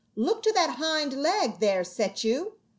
Look to that hind leg there, Sechu.